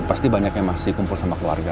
pasti banyak yang masih kumpul sama keluarga